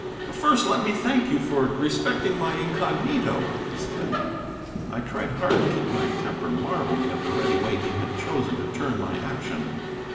"But first let me thank you for respecting my incognito," he said. I tried hard to keep my temper, marvelling at the ready way he had chosen to turn my action.